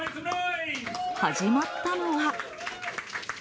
始まったのは。